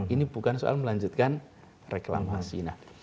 ini bukan soal melanjutkan reklamasi